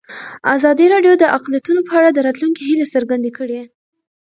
ازادي راډیو د اقلیتونه په اړه د راتلونکي هیلې څرګندې کړې.